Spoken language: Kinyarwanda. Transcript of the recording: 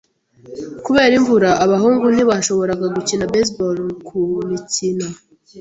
Kubera imvura, abahungu ntibashoboraga gukina baseball kumikino.